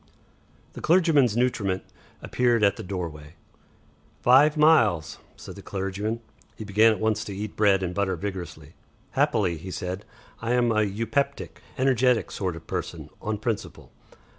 The clergyman's nutriment appeared in the doorway. "Five miles," said the clergyman. He began at once to eat bread and butter vigorously. "Happily," he said, "I am an eupeptic, energetic sort of person on principle.